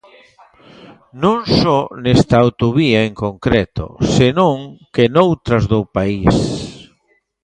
Non só nesta autovía en concreto, senón que noutras do país.